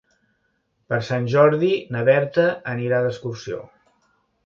Per Sant Jordi na Berta anirà d'excursió.